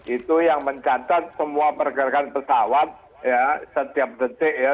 itu yang mencatat semua pergerakan pesawat ya setiap detik ya